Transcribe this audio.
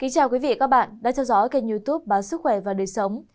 chào các bạn đã theo dõi kênh youtube báo sức khỏe và đời sống